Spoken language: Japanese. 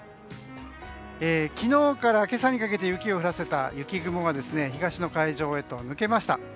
昨日から今朝にかけて雪を降らせた雪雲が東の海上へと抜けました。